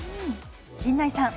陣内さん。